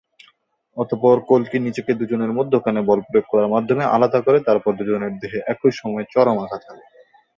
অতঃপর কল্কি নিজেকে দুজনের মধ্যখানে বলপ্রয়োগ করার মাধ্যমে আলাদা করে তারপর দুজনের দেহে একই সময়ে চরম আঘাত হানে।